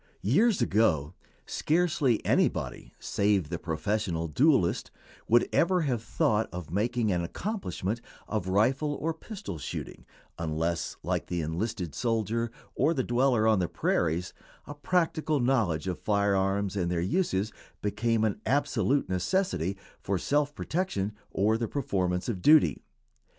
] Years ago scarcely anybody save the professional duelist would ever have thought of making an accomplishment of rifle or pistol shooting, unless, like the enlisted soldier or the dweller on the prairies, a practical knowledge of fire arms and their uses became an absolute necessity for self protection or the performance of duty.